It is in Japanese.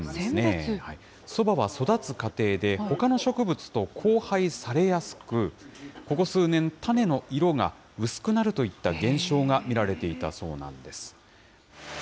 そばは育つ課程でほかの植物と交配されやすく、ここ数年、種の色が薄くなるといった現象が見られていたそうなんです。